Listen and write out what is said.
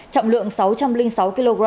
trọng lượng sáu trăm linh sáu kg